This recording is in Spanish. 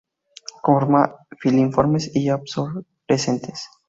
Con formas filiformes y arborescentes.